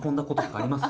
ありますよ。